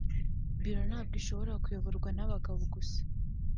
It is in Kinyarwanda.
Biro ntabwo ishobora kuyoborwa n’abagabo gusa